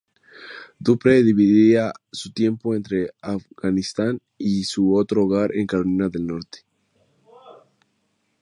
Dupree dividía su tiempo entre Afganistán y su otro hogar en Carolina del Norte.